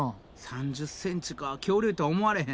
３０ｃｍか恐竜とは思われへん。